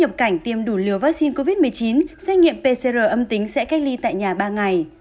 nhập cảnh tiêm đủ liều vaccine covid một mươi chín xét nghiệm pcr âm tính sẽ cách ly tại nhà ba ngày